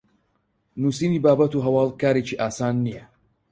نوسینی بابەت و هەواڵ کارێکی ئاسان نییە